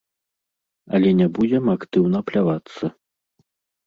Але не будзем актыўна плявацца.